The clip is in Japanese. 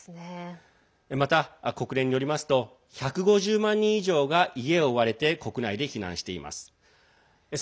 また国連によりますと１５０万人以上が家を追われて国内で避難しています。